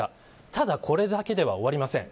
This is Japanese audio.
ただ、これだけでは終わりません。